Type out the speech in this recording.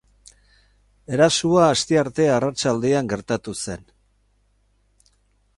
Erasoa astearte arratsaldean gertatu zen.